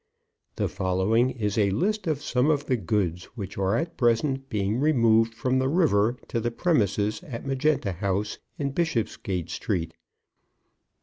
The following is a list of some of the goods which are at present being removed from the river to the premises at Magenta House, in Bishopsgate Street.